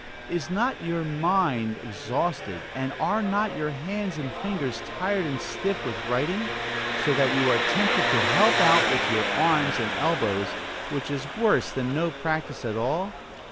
Is not your mind exhausted, and are not your hands and fingers tired and stiff with writing, so that you are tempted to help out with your arms and elbows, which is worse than no practice at all?